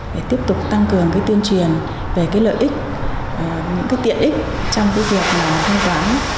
để tiếp tục tăng cường cái tuyên truyền về cái lợi ích những cái tiện ích trong cái việc mà thanh toán